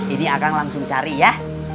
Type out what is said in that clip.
ini akan langsung cari ya